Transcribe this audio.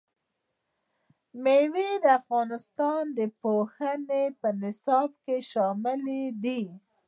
مېوې د افغانستان د پوهنې په نصاب کې شامل دي.